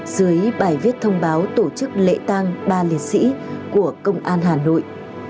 dưới bài viết thông báo tổ chức lễ tang ba liệt sĩ của công an hà nội